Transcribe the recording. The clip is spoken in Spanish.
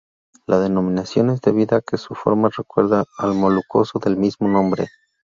La denominación es debida a que su forma recuerda al molusco del mismo nombre.